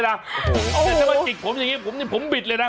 ถ้าจิ๊กผมอย่างนี้ผมบีดเลยนะ